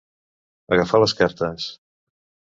Agafar les cartes.